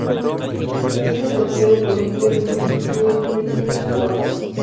Antes de entrar en política, Swire sirvió en los Grenadier Guards.